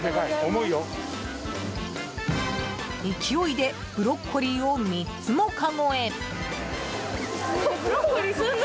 勢いでブロッコリーを３つもかごへ。